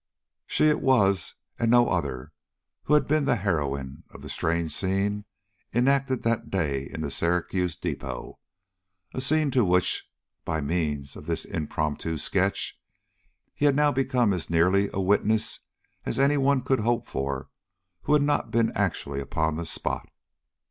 She it was and no other who had been the heroine of the strange scene enacted that day in the Syracuse depot; a scene to which, by means of this impromptu sketch, he had now become as nearly a witness as any one could hope for who had not been actually upon the spot.